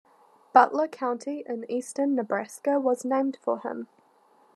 Butler County in eastern Nebraska was named for him.